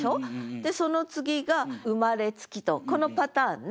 でその次が「生れつき」とこのパターンね。